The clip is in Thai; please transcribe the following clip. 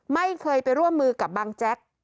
ไม่เคยไปร่วมมือกับบังแจ๊ก